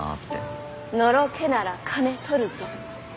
のろけなら金取るぞ。